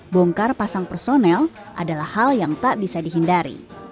bongkar pasang personel adalah hal yang tak bisa dihindari